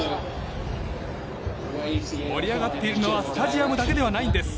盛り上がっているのはスタジアムだけではないんです。